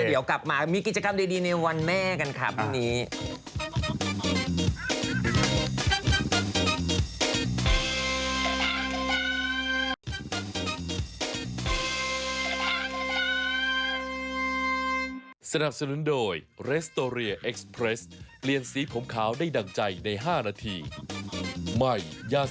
เดี๋ยวกลับมามีกิจกรรมดีในวันแม่กันค่ะพรุ่งนี้